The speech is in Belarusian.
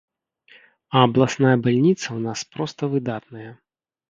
А абласная бальніца ў нас проста выдатная.